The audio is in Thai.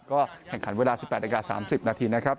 ก็แข่งขันเวลา๑๘นาที๓๐นาทีนะครับ